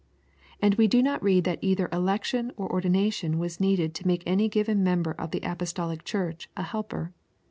And we do not read that either election or ordination was needed to make any given member of the apostolic church a helper.